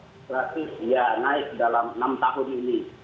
relatif ya naik dalam enam tahun ini